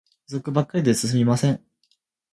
不足ばっかりで進みません